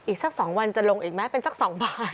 อีกสัก๒วันจะลงอีกไหมเป็นสัก๒บาท